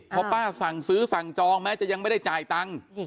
พอป้าสั่งซื้อสั่งจองแม้จะยังไม่ได้จ่ายตังค์